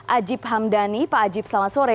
ajib hamdani pak ajib selamat sore